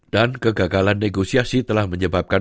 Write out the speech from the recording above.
dan kegagalan negosiasi telah menyebabkan